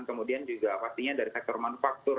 kemudian juga pastinya dari sektor manufaktur